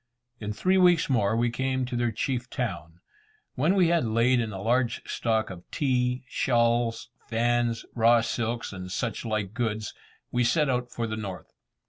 In three weeks more we came to their chief town. When we had laid in a large stock of tea, shawls, fans, raw silks, and such like goods, we set out for the north.